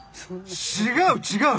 違う違う！